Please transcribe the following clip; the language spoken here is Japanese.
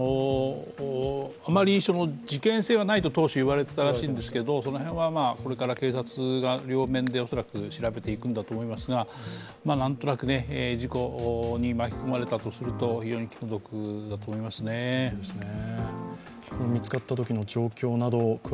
あまり事件性はないと当初言われていたそうですが、その辺はこれから警察が両面で恐らく調べていくんだと思いますがなんとなく事故に巻き込まれたとすると、非常に気の毒だと思いますね。